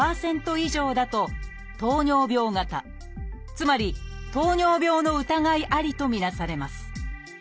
つまり糖尿病の疑いありと見なされます。